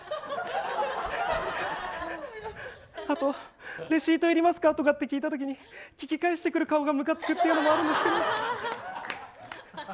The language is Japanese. あと、レシートいりますかって聞いたときとかに聞き返してくる顔がムカつくっていうのもあるんですけど。